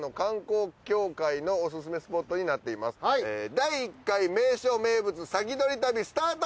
第１回名所名物先取り旅スタート！